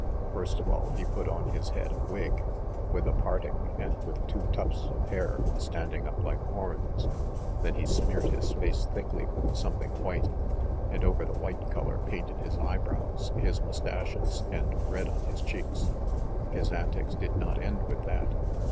... First of all he put on his head a wig, with a parting and with two tufts of hair standing up like horns, then he smeared his face thickly with something white, and over the white colour painted his eyebrows, his moustaches, and red on his cheeks. His antics did not end with that.